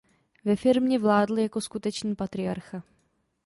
Ve firmě vládl jako skutečný patriarcha.